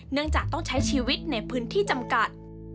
เนื่องจากต้องใช้ชีวิตในพื้นที่จำกัด